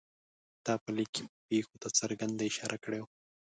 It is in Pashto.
تا په لیک کې پېښو ته څرګنده اشاره کړې وه.